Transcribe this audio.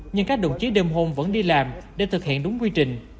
nhưng các đồng chí đêm hôm vẫn đi làm để thực hiện đúng quy trình